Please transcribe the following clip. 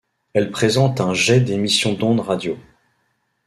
Elle présente un jet d'émission d'onde radio.